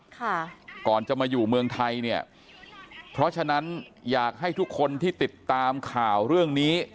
ก่อนจะมาอยู่เมืองไทยเนี่ยเพราะฉะนั้นอยากให้ทุกคนที่ติดตามข่าวเรื่องนี้